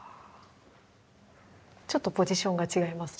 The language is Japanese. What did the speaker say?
ちょっとポジションが違いますよね。